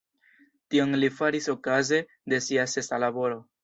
Tion li faris okaze de sia sesa laboro.